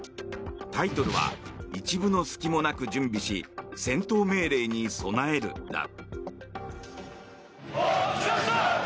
タイトルは「一分の隙もなく準備し戦闘命令に備える」だ。